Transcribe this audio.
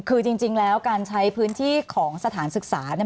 คือจริงแล้วการใช้พื้นที่ของสถานศึกษาเนี่ย